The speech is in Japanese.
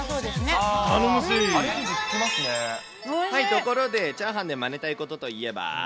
ところでチャーハンでマネたいことといえば。